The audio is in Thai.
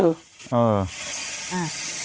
เออ